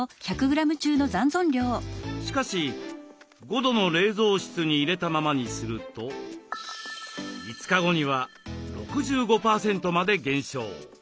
しかし５度の冷蔵室に入れたままにすると５日後には６５％まで減少。